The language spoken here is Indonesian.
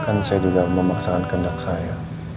kan saya juga memaksakan kendak saya